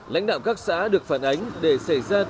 lãnh đạo các xã được phản ánh để xảy ra tình trạng